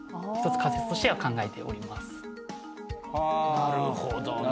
なるほどね。